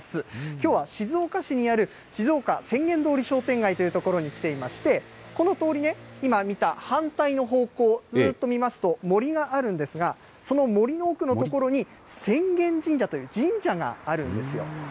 きょうは静岡市にある静岡浅間通り商店街という所に来ていまして、この通りね、今見た反対の方向、ずっと見ますと森があるんですが、その森の奥の所に浅間神社という神社があるんですよ。